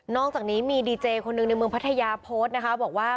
อกจากนี้มีดีเจคนหนึ่งในเมืองพัทยาโพสต์นะคะบอกว่า